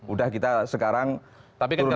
udah kita sekarang turun ke raya